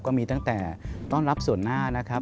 ก็มีตั้งแต่ต้อนรับส่วนหน้านะครับ